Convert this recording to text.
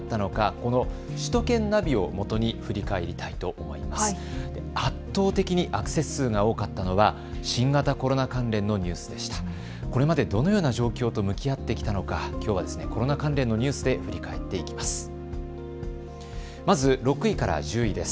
これまでどのような状況と向き合ってきたのか、きょうはコロナ関連のニュースで振り返っていきます。